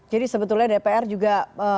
jadi sebetulnya dpr juga